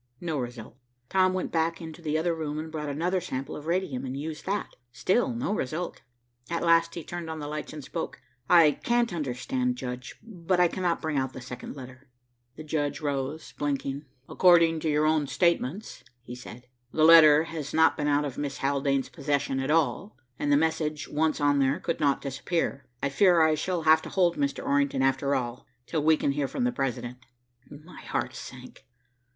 No result. Tom went back into the other room and brought another sample of radium and used that. Still no result. At last he turned on the lights and spoke. "I can't understand, judge, but I cannot bring out the second letter." The judge rose blinking. "According to your own statements," he said, "the letter has not been out of Miss Haldane's possession at all, and the message once on there could not disappear. I fear I shall have to hold Mr. Orrington after all, till we can hear from the President." My heart sank.